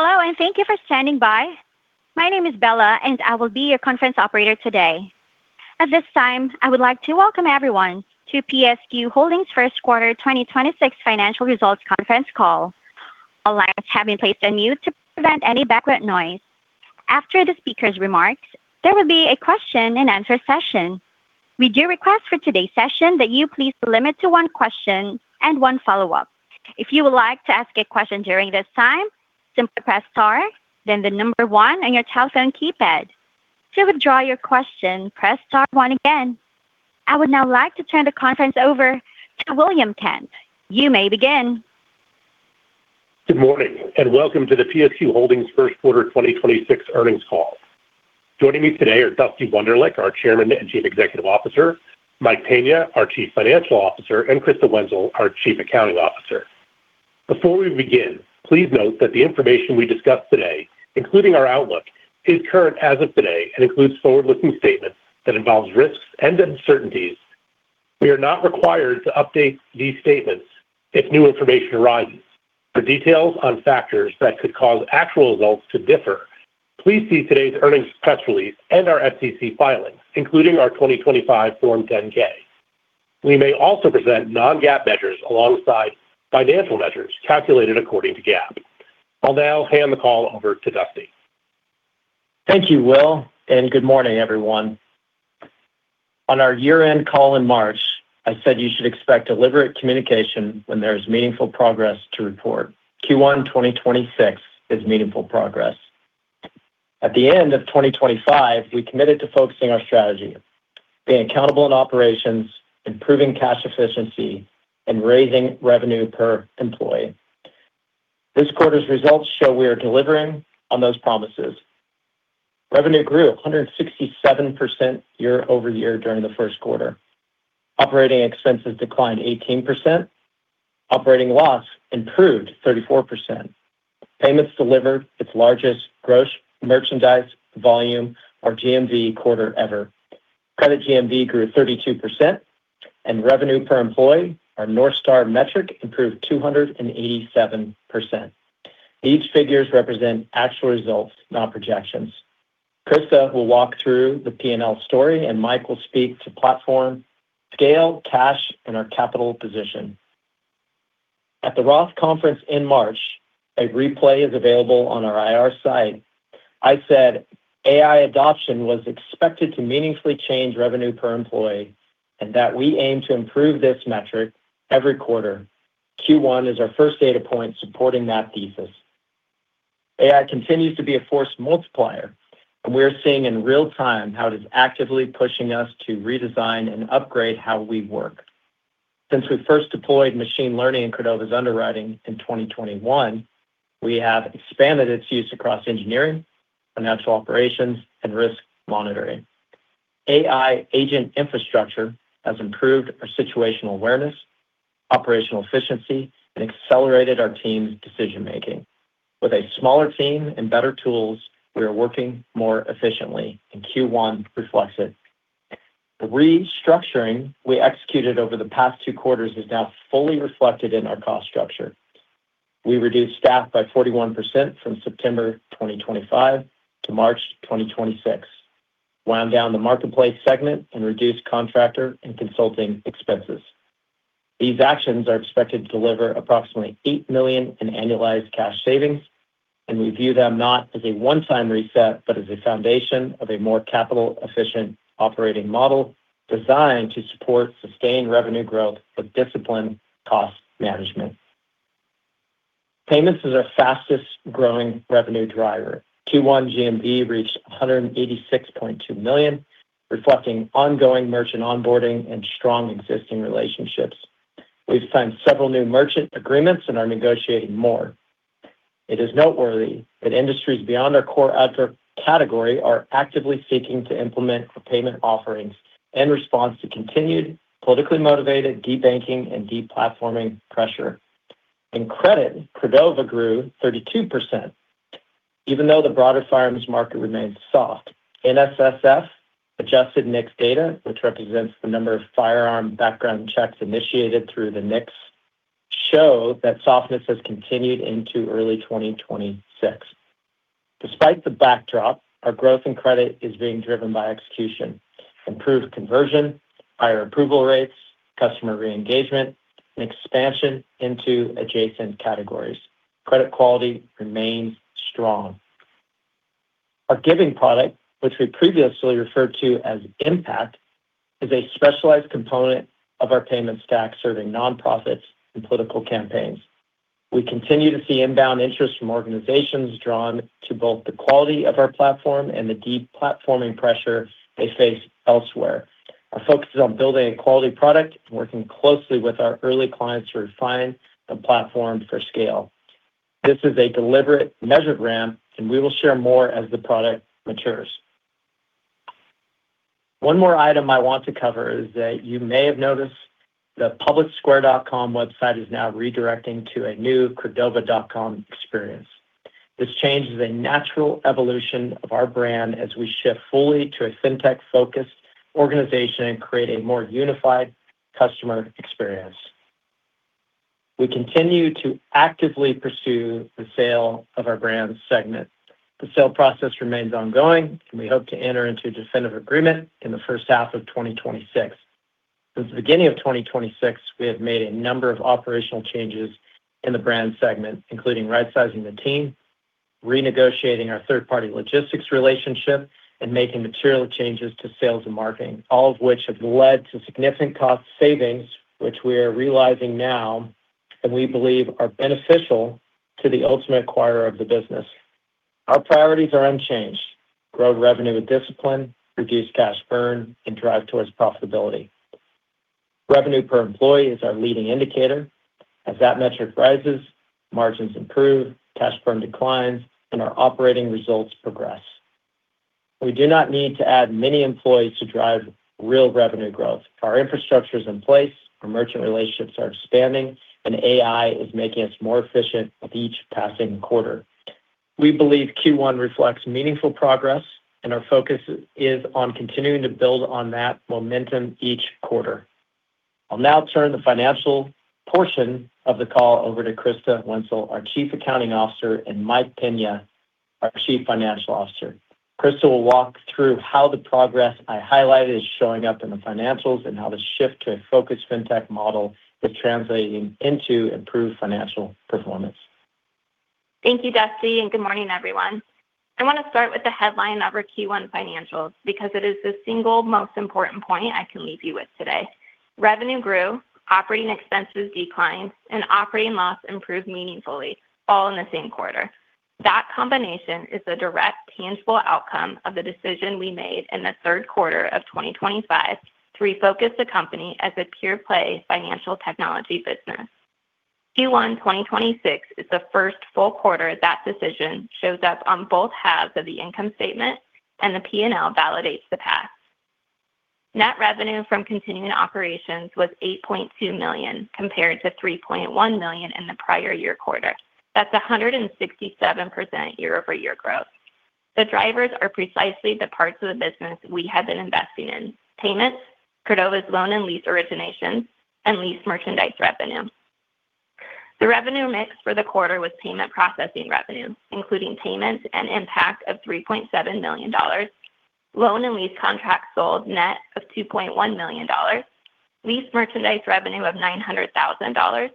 Hello, thank you for standing by. My name is Bella, and I will be your conference operator today. At this time, I would like to welcome everyone to PSQ Holdings First Quarter 2026 Financial Results Conference Call. All lines have been placed on mute to prevent any background noise. After the speaker's remarks, there will be a question-and-answer session. We do request for today's session that you please limit to one question and one follow-up. If you would like to ask a question during this time, simply Press Star then the number one on your telephone keypad. To withdraw your question, press star one again. I would now like to turn the conference over to William Kent. You may begin. Good morning, and welcome to the PSQ Holdings First Quarter 2026 Earnings Call. Joining me today are Dusty Wunderlich, our Chairman and Chief Executive Officer; Mike Pena, our Chief Financial Officer; and Krista Wenzel, our Chief Accounting Officer. Before we begin, please note that the information we discuss today, including our outlook, is current as of today and includes forward-looking statements that involves risks and uncertainties. We are not required to update these statements if new information arises. For details on factors that could cause actual results to differ, please see today's earnings press release and our SEC filings, including our 2025 Form 10-K. We may also present non-GAAP measures alongside financial measures calculated according to GAAP. I'll now hand the call over to Dusty. Thank you, Will, and good morning, everyone. On our year-end call in March, I said you should expect deliberate communication when there is meaningful progress to report. Q1 2026 is meaningful progress. At the end of 2025, we committed to focusing our strategy, being accountable in operations, improving cash efficiency, and raising revenue per employee. This quarter's results show we are delivering on those promises. Revenue grew 167% year-over-year during the first quarter. Operating expenses declined 18%. Operating loss improved 34%. Payments delivered its largest gross merchandise volume, or GMV, quarter ever. Credit GMV grew 32%, and revenue per employee, our North Star metric, improved 287%. Each figures represent actual results, not projections. Krista will walk through the P&L story, and Mike will speak to platform scale, cash, and our capital position. At the ROTH Conference in March, a replay is available on our IR site. I said AI adoption was expected to meaningfully change revenue per employee and that we aim to improve this metric every quarter. Q1 is our first data point supporting that thesis. AI continues to be a force multiplier, and we're seeing in real time how it is actively pushing us to redesign and upgrade how we work. Since we first deployed machine learning in Cordova's underwriting in 2021, we have expanded its use across engineering, financial operations, and risk monitoring. AI agent infrastructure has improved our situational awareness, operational efficiency, and accelerated our team's decision making. With a smaller team and better tools, we are working more efficiently, and Q1 reflects it. The restructuring we executed over the past two quarters is now fully reflected in our cost structure. We reduced staff by 41% from September 2025 to March 2026, wound down the marketplace segment, and reduced contractor and consulting expenses. These actions are expected to deliver approximately $8 million in annualized cash savings, and we view them not as a one-time reset, but as a foundation of a more capital-efficient operating model designed to support sustained revenue growth with disciplined cost management. Payments is our fastest-growing revenue driver. Q1 GMV reached $186.2 million, reflecting ongoing merchant onboarding and strong existing relationships. We've signed several new merchant agreements and are negotiating more. It is noteworthy that industries beyond our core advert category are actively seeking to implement for payment offerings in response to continued politically motivated debanking and deplatforming pressure. In credit, Cordova grew 32%, even though the broader firearms market remained soft. NSSF adjusted NICS data, which represents the number of firearm background checks initiated through the NICS, show that softness has continued into early 2026. Despite the backdrop, our growth in credit is being driven by execution, improved conversion, higher approval rates, customer re-engagement, and expansion into adjacent categories. Credit quality remains strong. Our giving product, which we previously referred to as Impact, is a specialized component of our payment stack serving nonprofits and political campaigns. We continue to see inbound interest from organizations drawn to both the quality of our platform and the deplatforming pressure they face elsewhere. Our focus is on building a quality product and working closely with our early clients to refine the platform for scale. This is a deliberate measured ramp, and we will share more as the product matures. One more item I want to cover is that you may have noticed the publicsquare.com website is now redirecting to a new cordova.com experience. This change is a natural evolution of our brand as we shift fully to a fintech-focused organization and create a more unified customer experience. We continue to actively pursue the sale of our brand segment. The sale process remains ongoing, and we hope to enter into a definitive agreement in the first half of 2026. Since the beginning of 2026, we have made a number of operational changes in the brand segment, including rightsizing the team, renegotiating our third-party logistics relationship, and making material changes to sales and marketing, all of which have led to significant cost savings, which we are realizing now and we believe are beneficial to the ultimate acquirer of the business. Our priorities are unchanged. Grow revenue with discipline, reduce cash burn, and drive towards profitability. Revenue per employee is our leading indicator. As that metric rises, margins improve, cash burn declines, and our operating results progress. We do not need to add many employees to drive real revenue growth. Our infrastructure is in place, our merchant relationships are expanding, and AI is making us more efficient with each passing quarter. We believe Q1 reflects meaningful progress, and our focus is on continuing to build on that momentum each quarter. I'll now turn the financial portion of the call over to Krista Wenzel, our Chief Accounting Officer, and Mike Pena, our Chief Financial Officer. Krista will walk through how the progress I highlighted is showing up in the financials and how the shift to a focused fintech model is translating into improved financial performance. Thank you, Dusty, and good morning, everyone. I want to start with the headline of our Q1 financials because it is the single most important point I can leave you with today. Revenue grew, operating expenses declined, and operating loss improved meaningfully, all in the same quarter. That combination is a direct tangible outcome of the decision we made in the third quarter of 2025 to refocus the company as a pure-play financial technology business. Q1, 2026 is the first full quarter that decision shows up on both halves of the income statement, and the P&L validates the path. Net revenue from continuing operations was $8.2 million, compared to $3.1 million in the prior year quarter. That's a 167% year-over-year growth. The drivers are precisely the parts of the business we have been investing in. Payments, Cordova's loan and lease origination, and lease merchandise revenue. The revenue mix for the quarter was payment processing revenue, including payments and PSQ Impact of $3.7 million, loan and lease contracts sold net of $2.1 million, lease merchandise revenue of $900,000,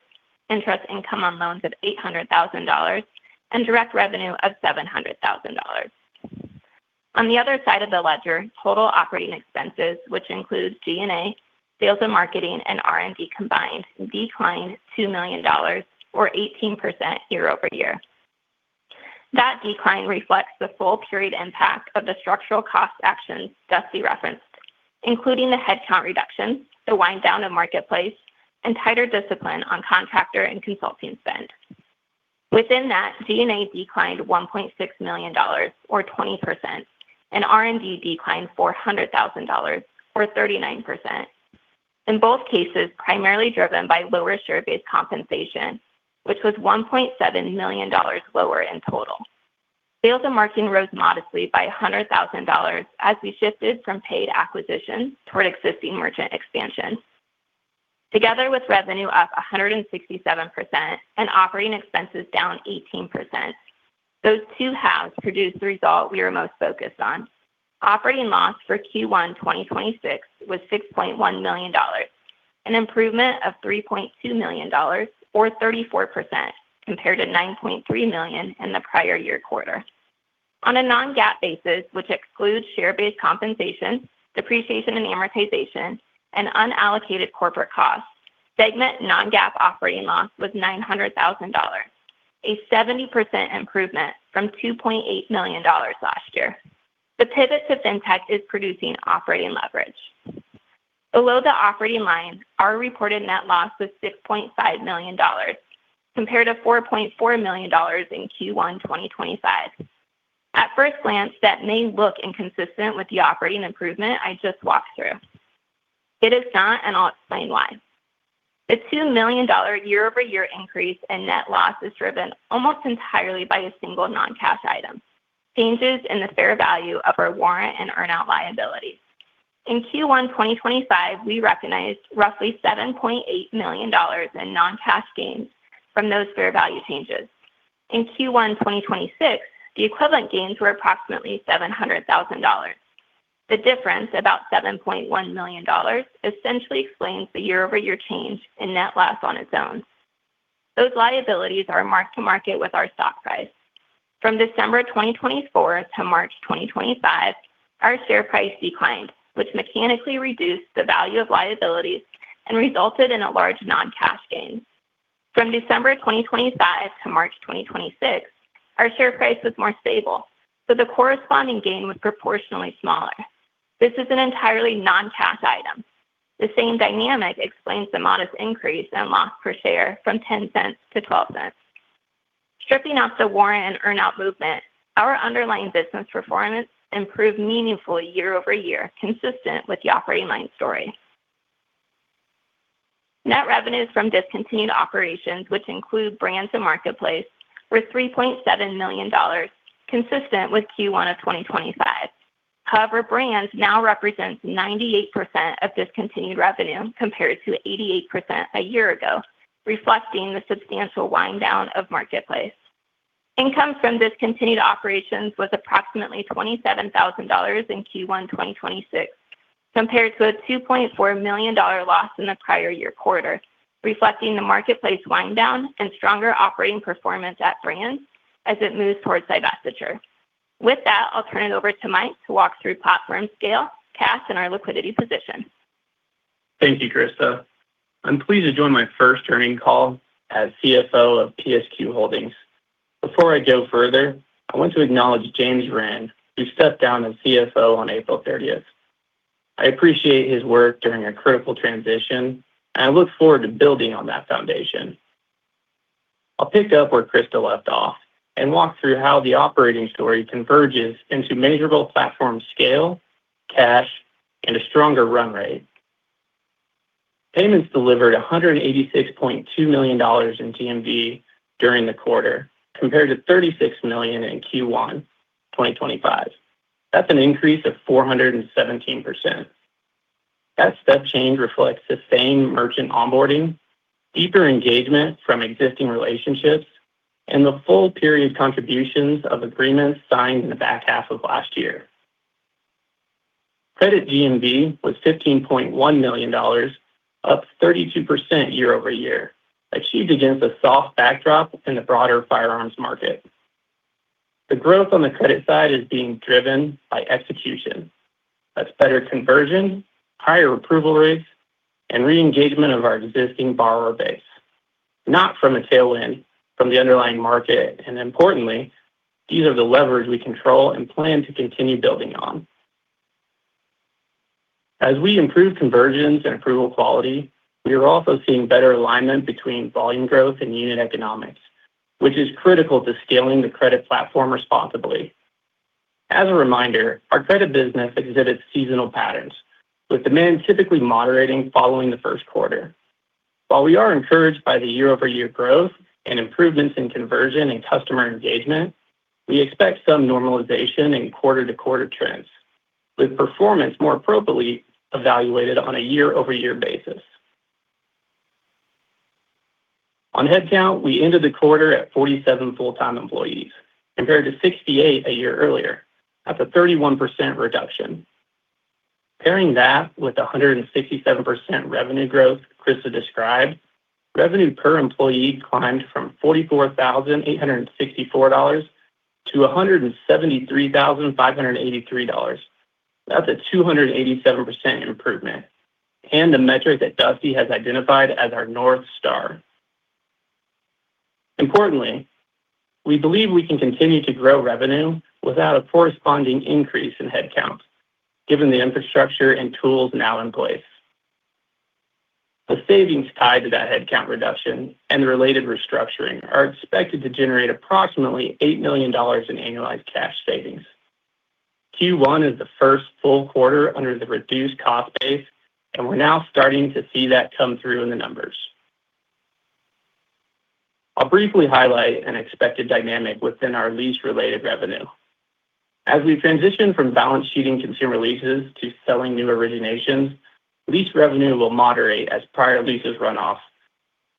interest income on loans of $800,000, and direct revenue of $700,000. On the other side of the ledger, total operating expenses, which includes G&A, sales and marketing, and R&D combined, declined $2 million or 18% year-over-year. That decline reflects the full period impact of the structural cost actions Dusty referenced, including the headcount reduction, the wind down of PublicSquare, and tighter discipline on contractor and consulting spend. Within that, G&A declined $1.6 million or 20%, and R&D declined $400,000 or 39%. In both cases, primarily driven by lower share-based compensation, which was $1.7 million lower in total. Sales and marketing rose modestly by $100,000 as we shifted from paid acquisition toward existing merchant expansion. Together with revenue up 167% and operating expenses down 18%, those two halves produced the result we are most focused on. Operating loss for Q1 2026 was $6.1 million, an improvement of $3.2 million or 34% compared to $9.3 million in the prior year quarter. On a non-GAAP basis, which excludes share-based compensation, depreciation and amortization, and unallocated corporate costs, segment non-GAAP operating loss was $900,000, a 70% improvement from $2.8 million last year. The pivot to fintech is producing operating leverage. Below the operating line, our reported net loss was $6.5 million, compared to $4.4 million in Q1 2025. At first glance, that may look inconsistent with the operating improvement I just walked through. It is not. I'll explain why. The $2 million year-over-year increase in net loss is driven almost entirely by a single non-cash item, changes in the fair value of our warrant and earn out liability. In Q1 2025, we recognized roughly $7.8 million in non-cash gains from those fair value changes. In Q1 2026, the equivalent gains were approximately $700,000. The difference, about $7.1 million, essentially explains the year-over-year change in net loss on its own. Those liabilities are marked to market with our stock price. From December 2024 to March 2025, our share price declined, which mechanically reduced the value of liabilities and resulted in a large non-cash gain. From December 2025 to March 2026, our share price was more stable, so the corresponding gain was proportionally smaller. This is an entirely non-cash item. The same dynamic explains the modest increase in loss per share from $0.10-$0.12. Stripping out the warrant and earn out movement, our underlying business performance improved meaningfully year-over-year, consistent with the operating line story. Net revenues from discontinued operations, which include brands and marketplace, were $3.7 million, consistent with Q1 of 2025. However, brands now represent 98% of discontinued revenue compared to 88% a year ago, reflecting the substantial wind down of marketplace. Income from discontinued operations was approximately $27,000 in Q1 2026, compared to a $2.4 million loss in the prior year quarter, reflecting the marketplace wind down and stronger operating performance at brands as it moves towards divestiture. With that, I'll turn it over to Mike to walk through platform scale, cash, and our liquidity position. Thank you, Krista. I'm pleased to join my first earning call as CFO of PSQ Holdings. Before I go further, I want to acknowledge James Rinn, who stepped down as CFO on April 30th. I appreciate his work during a critical transition, and I look forward to building on that foundation. I'll pick up where Krista left off and walk through how the operating story converges into measurable platform scale, cash, and a stronger run rate. Payments delivered $186.2 million in GMV during the quarter compared to $36 million in Q1 2025. That's an increase of 417%. That step change reflects sustained merchant onboarding, deeper engagement from existing relationships, and the full period contributions of agreements signed in the back half of last year. Credit GMV was $15.1 million, up 32% year-over-year, achieved against a soft backdrop in the broader firearms market. The growth on the credit side is being driven by execution. That's better conversion, higher approval rates, and re-engagement of our existing borrower base, not from a tailwind from the underlying market. Importantly, these are the levers we control and plan to continue building on. As we improve conversions and approval quality, we are also seeing better alignment between volume growth and unit economics, which is critical to scaling the credit platform responsibly. As a reminder, our credit business exhibits seasonal patterns, with demand typically moderating following the first quarter. While we are encouraged by the year-over-year growth and improvements in conversion and customer engagement, we expect some normalization in quarter-to-quarter trends, with performance more appropriately evaluated on a year-over-year basis. On headcount, we ended the quarter at 47 full-time employees, compared to 68 a year earlier. That's a 31% reduction. Pairing that with the 167% revenue growth Krista described, revenue per employee climbed from $44,864-$173,583. That's a 287% improvement and the metric that Dusty has identified as our North Star. Importantly, we believe we can continue to grow revenue without a corresponding increase in headcount, given the infrastructure and tools now in place. The savings tied to that headcount reduction and the related restructuring are expected to generate approximately $8 million in annualized cash savings. Q1 is the first full quarter under the reduced cost base, and we're now starting to see that come through in the numbers. I'll briefly highlight an expected dynamic within our lease-related revenue. As we transition from balance sheeting consumer leases to selling new originations, lease revenue will moderate as prior leases run off.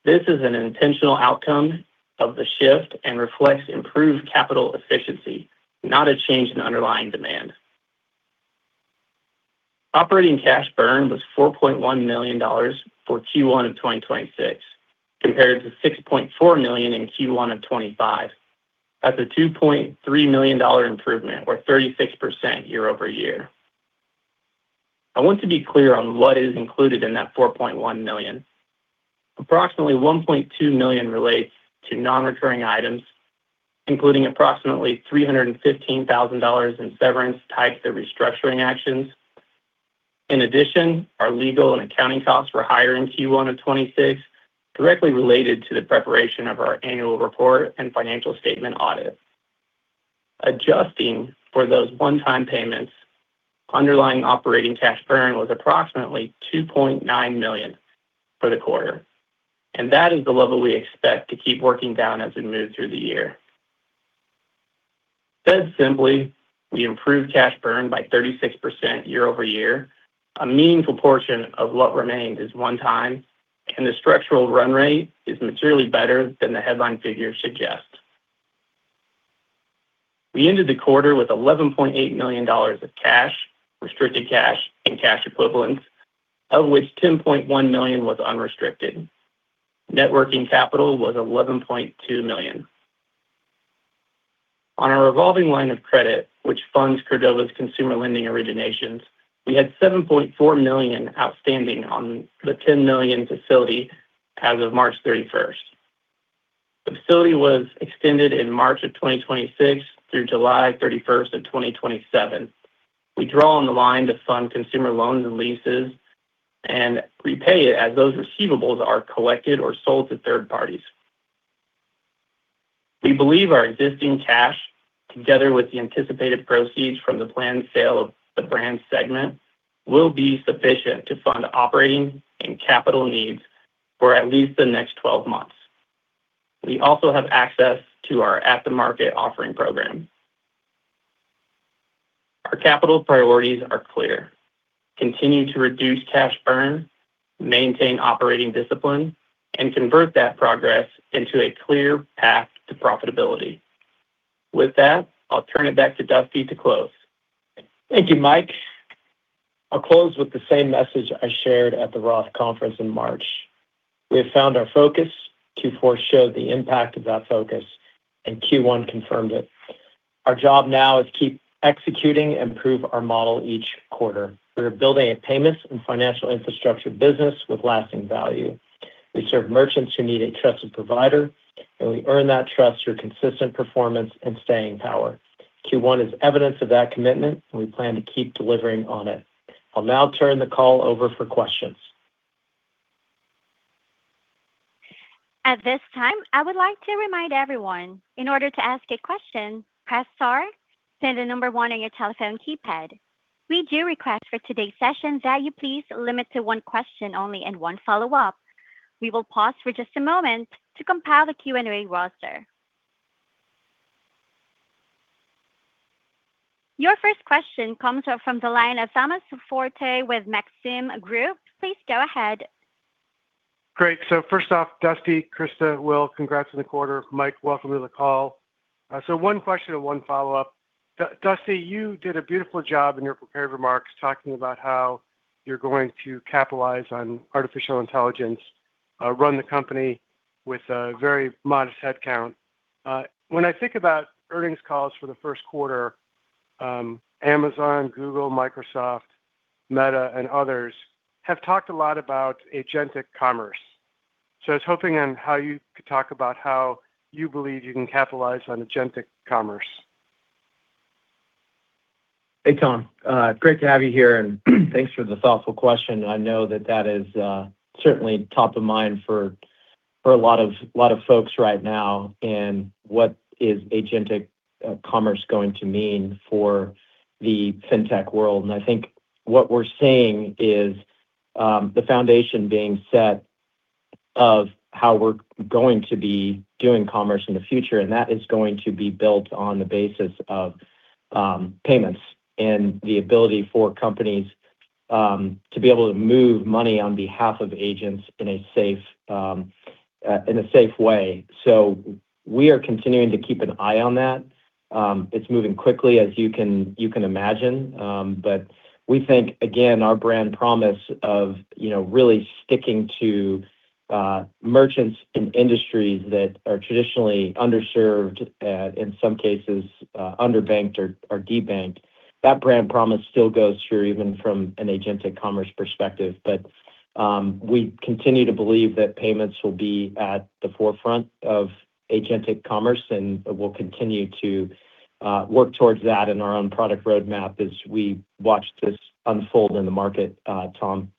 This is an intentional outcome of the shift and reflects improved capital efficiency, not a change in underlying demand. Operating cash burn was $4.1 million for Q1 of 2026, compared to $6.4 million in Q1 of 2025. That's a $2.3 million improvement or 36% year-over-year. I want to be clear on what is included in that $4.1 million. Approximately $1.2 million relates to non-recurring items, including approximately $315 thousand in severance tied to restructuring actions. In addition, our legal and accounting costs were higher in Q1 of 2026, directly related to the preparation of our annual report and financial statement audit. Adjusting for those one-time payments, underlying operating cash burn was approximately $2.9 million for the quarter, and that is the level we expect to keep working down as we move through the year. Said simply, we improved cash burn by 36% year-over-year. A meaningful portion of what remains is one time, and the structural run rate is materially better than the headline figures suggest. We ended the quarter with $11.8 million of cash, restricted cash, and cash equivalents, of which $10.1 million was unrestricted. Net working capital was $11.2 million. On our revolving line of credit, which funds Cordova's consumer lending originations, we had $7.4 million outstanding on the $10 million facility as of March 31st. The facility was extended in March of 2026 through July 31st of 2027. We draw on the line to fund consumer loans and leases and repay it as those receivables are collected or sold to third parties. We believe our existing cash, together with the anticipated proceeds from the planned sale of the brand segment, will be sufficient to fund operating and capital needs for at least the next 12 months. We also have access to our at-the-market offering program. Our capital priorities are clear. Continue to reduce cash burn, maintain operating discipline, and convert that progress into a clear path to profitability. With that, I'll turn it back to Dusty to close. Thank you, Mike. I'll close with the same message I shared at the ROTH Conference in March. We have found our focus, Q4 showed the impact of that focus, and Q1 confirmed it. Our job now is keep executing and improve our model each quarter. We're building a payments and financial infrastructure business with lasting value. We serve merchants who need a trusted provider, and we earn that trust through consistent performance and staying power. Q1 is evidence of that commitment. We plan to keep delivering on it. I'll now turn the call over for questions. At this time, I would like to remind everyone, in order to ask a question, press star, then the number one on your telephone keypad. We do request for today's session that you please limit to one question only and one follow-up. We will pause for just a moment to compile the Q&A roster. Your first question comes from the line of Thomas Forte with Maxim Group. Please go ahead. Great. first off, Dusty, Krista, Will, congrats on the quarter. Mike, welcome to the call. one question and one follow-up. Dusty, you did a beautiful job in your prepared remarks talking about how you're going to capitalize on artificial intelligence, run the company with a very modest head count. When I think about earnings calls for the first quarter, Amazon, Google, Microsoft, Meta, and others have talked a lot about agentic commerce. I was hoping on how you could talk about how you believe you can capitalize on agentic commerce. Hey, Tom. great to have you here, and thanks for the thoughtful question. I know that is certainly top of mind for a lot of folks right now in what is agentic commerce going to mean for the fintech world. I think what we're seeing is the foundation being set of how we're going to be doing commerce in the future, and that is going to be built on the basis of payments and the ability for companies to be able to move money on behalf of agents in a safe way. We are continuing to keep an eye on that. it's moving quickly as you can imagine. We think, again, our brand promise of, you know, really sticking to, merchants in industries that are traditionally underserved, in some cases, underbanked or debanked, that brand promise still goes through even from an agentic commerce perspective. We continue to believe that payments will be at the forefront of agentic commerce, and we'll continue to work towards that in our own product roadmap as we watch this unfold in the market, Tom.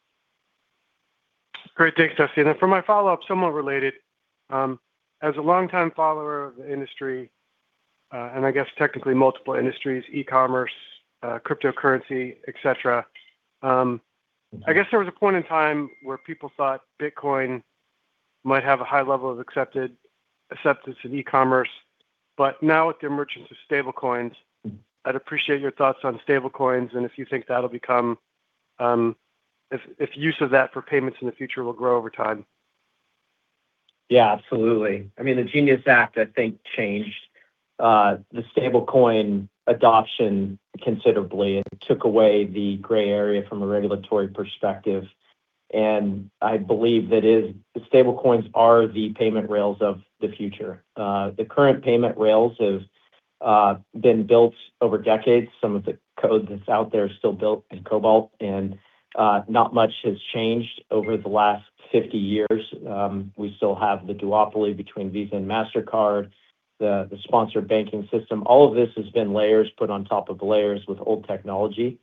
Great. Thanks, Dusty. For my follow-up, somewhat related, as a longtime follower of the industry, and I guess technically multiple industries, e-commerce, cryptocurrency, et cetera, I guess there was a point in time where people thought Bitcoin might have a high level of acceptance in e-commerce, but now it emerges with stable coins. I'd appreciate your thoughts on stable coins and if you think that'll become, if use of that for payments in the future will grow over time. Yeah, absolutely. I mean, the GENIUS Act, I think, changed the stablecoins adoption considerably. It took away the gray area from a regulatory perspective. I believe that is, stablecoins are the payment rails of the future. The current payment rails have been built over decades. Some of the code that's out there is still built in COBOL, and not much has changed over the last 50 years. We still have the duopoly between Visa and Mastercard, the sponsor banking system. All of this has been layers put on top of layers with old technology.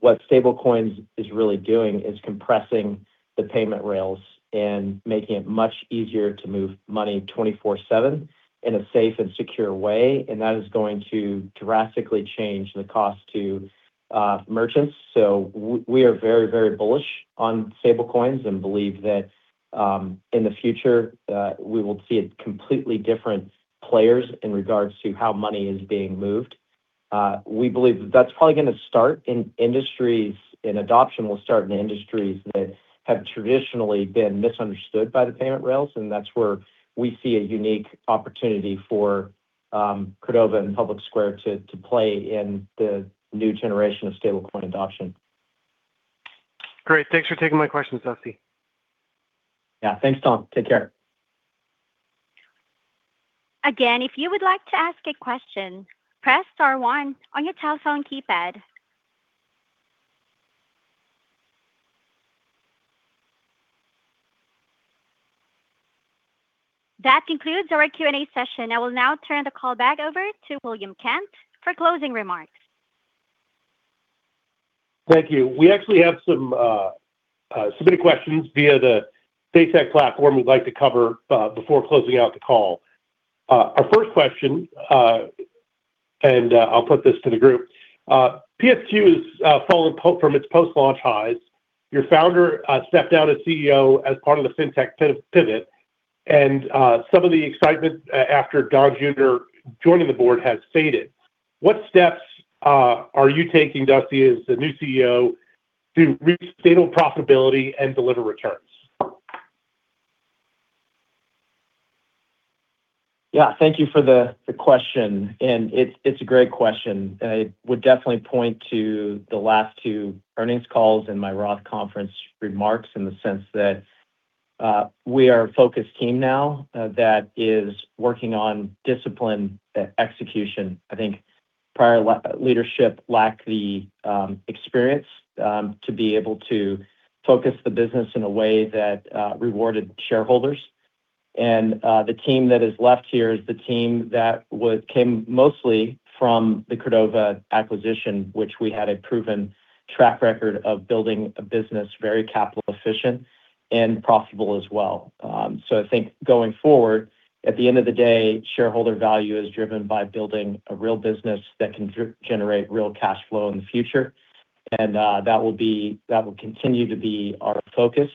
What stablecoins is really doing is compressing the payment rails and making it much easier to move money 24/7 in a safe and secure way, and that is going to drastically change the cost to merchants. We are very, very bullish on stablecoins and believe that, in the future, we will see a completely different players in regards to how money is being moved. We believe that that's probably gonna start in industries and adoption will start in industries that have traditionally been misunderstood by the payment rails, and that's where we see a unique opportunity for Cordova and PublicSquare to play in the new generation of stablecoin adoption. Great. Thanks for taking my question, Dusty. Yeah. Thanks, Tom. Take care. Again, if you would like to ask a question, Press Star one on your telephone keypad. That concludes our Q&A session. I will now turn the call back over to William Kent for closing remarks. Thank you. We actually have some submitted questions via the Say Technologies platform we'd like to cover before closing out the call. Our first question. I'll put this to the group. PSQ has fallen from its post-launch highs. Your founder stepped down as CEO as part of the fintech pivot, and some of the excitement after Donald Trump Jr. joining the board has faded. What steps are you taking, Dusty, as the new CEO to reach stable profitability and deliver returns? Yeah. Thank you for the question, and it's a great question. I would definitely point to the last two earnings calls and my ROTH Conference remarks in the sense that we are a focused team now that is working on discipline execution. I think prior leadership lacked the experience to be able to focus the business in a way that rewarded shareholders. The team that came mostly from the Cordova acquisition, which we had a proven track record of building a business very capital efficient and profitable as well. I think going forward at the end of the day shareholder value is driven by building a real business that can generate real cash flow in the future. That will continue to be our focus.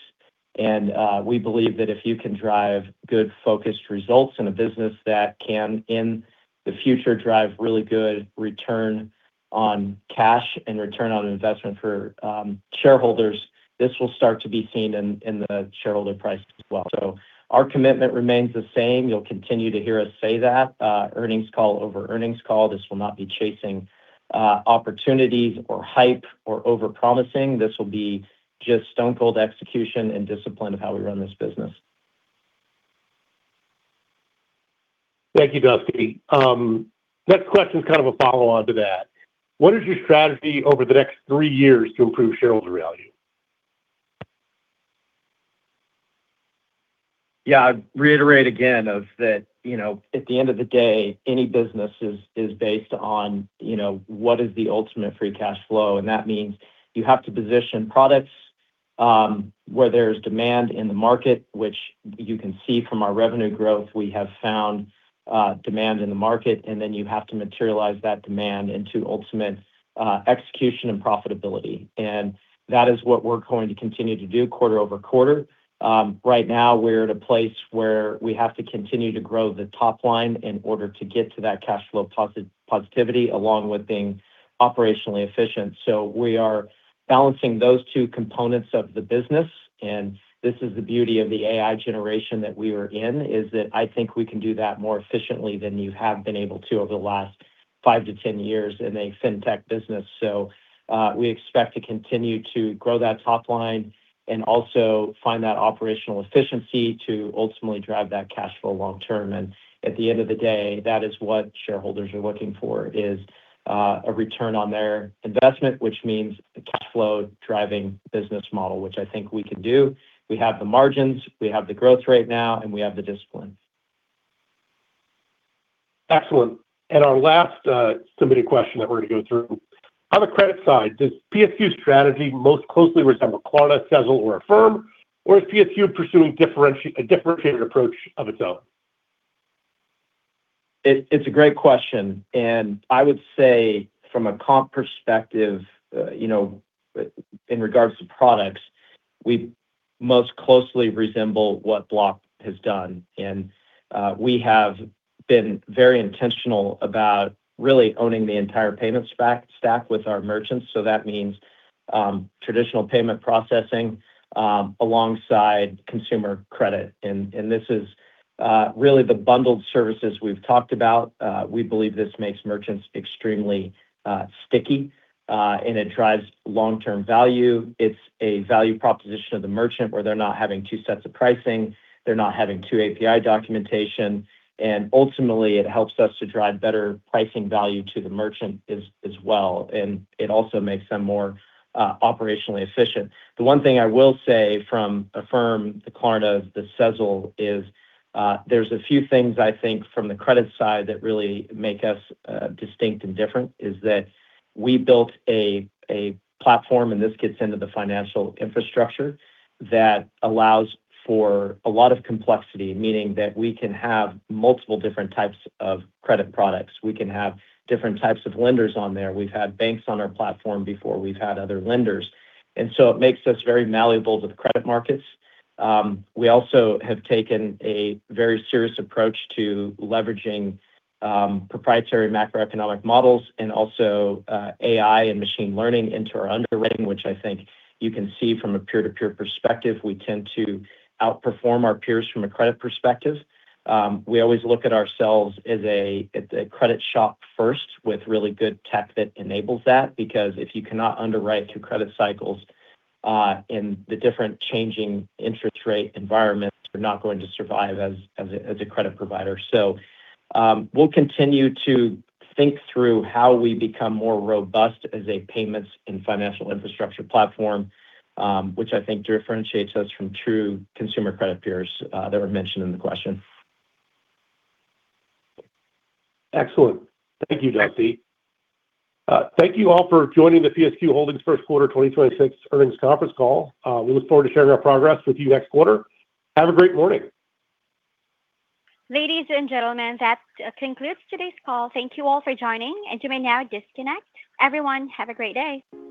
We believe that if you can drive good focused results in a business that can, in the future, drive really good return on cash and return on investment for shareholders, this will start to be seen in the shareholder price as well. Our commitment remains the same. You'll continue to hear us say that earnings call over earnings call. This will not be chasing opportunities or hype or overpromising. This will be just stone-cold execution and discipline of how we run this business. Thank you, Dusty. Next question's kind of a follow-on to that. What is your strategy over the next three years to improve shareholder value? Yeah. I'd reiterate again of that, you know, at the end of the day, any business is based on, you know, what is the ultimate free cash flow, and that means you have to position products where there's demand in the market, which you can see from our revenue growth, we have found demand in the market, and then you have to materialize that demand into ultimate execution and profitability. That is what we're going to continue to do quarter-over-quarter. Right now we're at a place where we have to continue to grow the top line in order to get to that cash flow positivity along with being operationally efficient. We are balancing those two components of the business, and this is the beauty of the AI generation that we are in, is that I think we can do that more efficiently than you have been able to over the last five to 10 years in a fintech business. We expect to continue to grow that top line and also find that operational efficiency to ultimately drive that cash flow long term. At the end of the day, that is what shareholders are looking for, is, a return on their investment, which means a cash flow-driving business model, which I think we can do. We have the margins, we have the growth rate now, and we have the discipline. Excellent. Our last submitted question that we're gonna go through. On the credit side, does PSQ's strategy most closely resemble Klarna, Sezzle, or Affirm, or is PSQ pursuing a differentiated approach of its own? It's a great question. I would say from a comp perspective, you know, in regards to products, we most closely resemble what Block has done. We have been very intentional about really owning the entire payments stack with our merchants, so that means traditional payment processing alongside consumer credit. This is really the bundled services we've talked about. We believe this makes merchants extremely sticky and it drives long-term value. It's a value proposition of the merchant where they're not having two sets of pricing, they're not having two API documentation, and ultimately, it helps us to drive better pricing value to the merchant as well, and it also makes them more operationally efficient. The one thing I will say from Affirm, the Klarna, the Sezzle, is, there's a few things I think from the credit side that really make us, distinct and different, is that we built a platform, and this gets into the financial infrastructure, that allows for a lot of complexity, meaning that we can have multiple different types of credit products. We can have different types of lenders on there. We've had banks on our platform before. We've had other lenders. It makes us very malleable to the credit markets. We also have taken a very serious approach to leveraging, proprietary macroeconomic models and also, AI and machine learning into our underwriting, which I think you can see from a peer-to-peer perspective. We tend to outperform our peers from a credit perspective. We always look at ourselves as a credit shop first with really good tech that enables that because if you cannot underwrite through credit cycles in the different changing interest rate environments you're not going to survive as a credit provider. We'll continue to think through how we become more robust as a payments and financial infrastructure platform which I think differentiates us from true consumer credit peers that were mentioned in the question. Excellent. Thank you, Dusty. Thank you all for joining the PSQ Holdings First Quarter 2026 Earnings Conference Call. We look forward to sharing our progress with you next quarter. Have a great morning. Ladies and gentlemen, that concludes today's call. Thank you all for joining, and you may now disconnect. Everyone, have a great day.